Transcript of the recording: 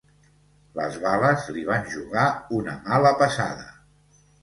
Les bales li van jugar una mala passada.